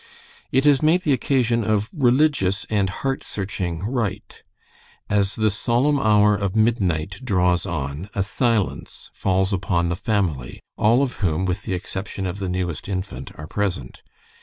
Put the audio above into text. It is made the occasion of religious and heart searching rite. As the solemn hour of midnight draws on, a silence falls upon the family, all of whom, with the exception of the newest infant, are present.